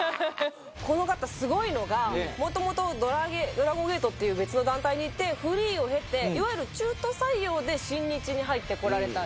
この方すごいのがもともとＤＲＡＧＯＮＧＡＴＥっていう別の団体にいてフリーを経ていわゆる中途採用で新日に入ってこられた。